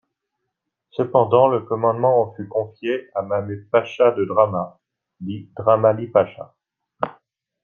Cependant, le commandement en fut confié à Mahmud Pacha de Drama, dit Dramali Pacha.